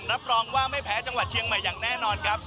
รับรองว่าไม่แพ้จังหวัดเชียงใหม่อย่างแน่นอนครับ